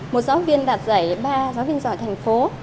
một giáo viên đạt giải ba giáo viên giỏi thành phố